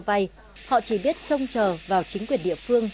vay họ chỉ biết trông chờ vào chính quyền địa phương